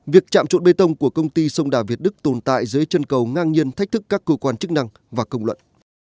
việc chạm trộn bê tông của công ty sông đà việt đức tồn tại dưới chân cầu ngang nhiên thách thức các cơ quan chức năng và công luận